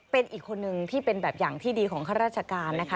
เป็นอีกคนนึงที่เป็นแบบอย่างที่ดีของข้าราชการนะคะ